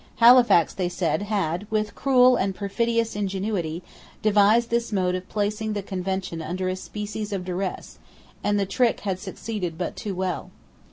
Halifax, they said, had, with cruel and perfidious ingenuity, devised this mode of placing the Convention under a species of duress; and the trick had succeeded but too well.